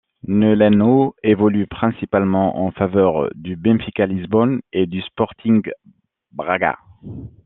Nelinho évolue principalement en faveur du Benfica Lisbonne et du Sporting Braga.